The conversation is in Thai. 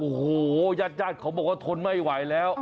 โอ้โหญาติญาติเขาบอกว่าทนไม่ไหวแล้ว